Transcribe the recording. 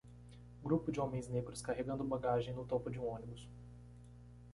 Grupo de homens negros carregando bagagem no topo de um ônibus